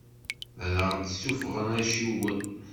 Ad aɣ-d-ssuffɣen acciwen.